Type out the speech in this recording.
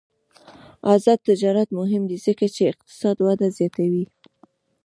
آزاد تجارت مهم دی ځکه چې اقتصادي وده زیاتوي.